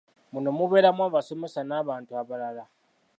Muno mubeeramu abasomesa n'abantu abalala.